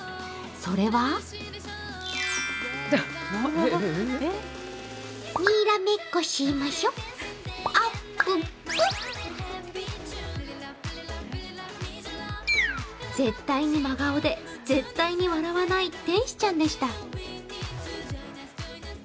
それは絶対に真顔で絶対に笑わない天使ちゃんでした。